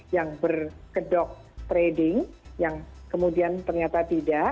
yang berkedok trading yang kemudian ternyata tidak